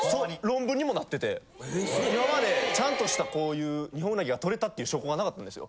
・今までちゃんとしたこういうニホンウナギがとれたっていう証拠がなかったんですよ。